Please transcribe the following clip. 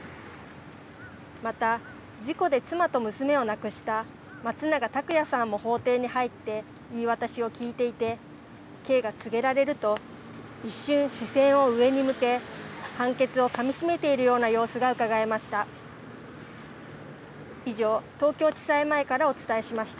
また、事故で妻と娘を亡くした松永拓也さんも法廷に入って言い渡しを聞いていて刑が告げられると一瞬、視線を上に向け判決をかみしめているような様子がうかがえました。